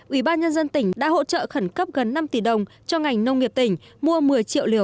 ủy ban nhân dân tỉnh đã hỗ trợ khẩn cấp gần năm tỷ đồng cho ngành nông nghiệp tỉnh mua một mươi triệu liều